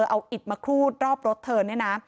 เอาอิดมาครูดรอบรถเธอเนี่ยนะ